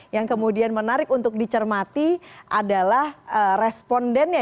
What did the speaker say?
yang kemudian menarik untuk dicermati adalah respondennya